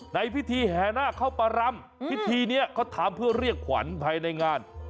ในพิธีแห่นาคเข้าประรำพิธีนี้เขาทำเพื่อเรียกขวัญภายในงาน